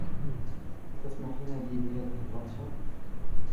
هل تسمحين لي بهذه الرقصة ؟